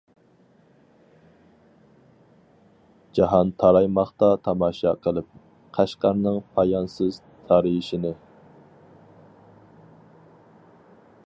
جاھان تارايماقتا تاماشا قىلىپ، قەشقەرنىڭ پايانسىز تارىيىشىنى.